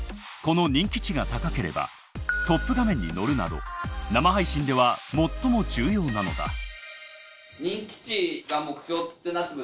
この人気値が高ければトップ画面に載るなど生配信では最も重要なのだ。